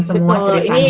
semua ceritanya ini